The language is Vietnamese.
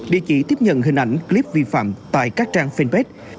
địa chỉ tiếp nhận hình ảnh clip vi phạm tại các trang fanpage